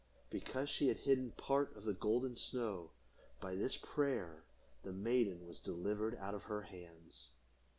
Because she had hidden part of the golden snow, by this prayer the maiden was delivered out of her hands.